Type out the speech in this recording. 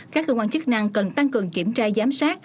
các cơ quan chức năng cần tăng cường kiểm tra giám sát